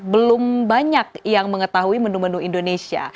belum banyak yang mengetahui menu menu indonesia